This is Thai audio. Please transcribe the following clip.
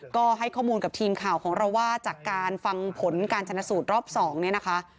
ก็ให้ข้อมูลกับทีมข่าวของเราว่าจากการฟังผลการชนะสูตรรอบ๒เนี่ยนะคะ